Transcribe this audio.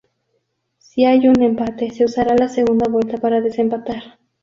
Si hay un empate, se usará la segunda vuelta para desempatar.